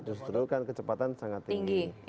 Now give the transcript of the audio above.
justru kan kecepatan sangat tinggi